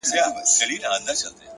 پوهه د راتلونکو نسلونو میراث دی؛